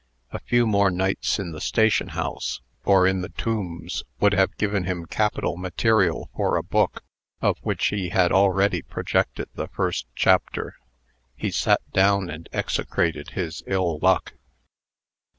A few more nights in the station house, or in the Tombs, would have given him capital material for a book, of which he had already projected the first chapter. He sat down, and execrated his ill luck.